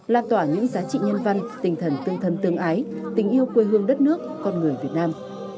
là tỏa những giá trị nhân văn tinh thần tương thân tương ái tình yêu quê hương đất nước con người việt nam